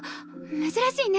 珍しいね